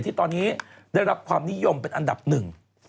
ที่ตอนนี้ได้รับความนิยมเป็นอันดับหนึ่ง